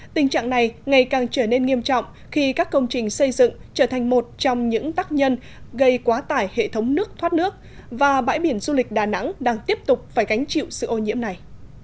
tình trạng này ngày càng trở nên nghiêm trọng khi các công trình xây dựng trở thành một trong những tác nhân gây quá tải hệ thống nước thoát nước và bãi biển du lịch đà nẵng đang tiếp tục phải gánh chịu sự ô nhiễm này